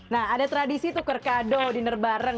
nah ada tradisi tuker kado dinner bareng